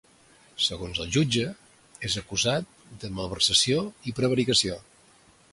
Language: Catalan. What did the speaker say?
Segons el jutge, és acusat de malversació i prevaricació.